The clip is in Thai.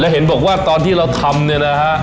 เห็นบอกว่าตอนที่เราทำเนี่ยนะฮะ